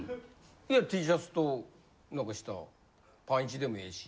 いやＴシャツとなんか下パンイチでもええし。